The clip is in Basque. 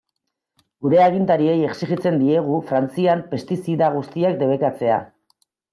Gure agintariei exijitzen diegu Frantzian pestizida guztiak debekatzea.